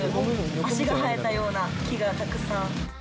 足が生えたような木がたくさん。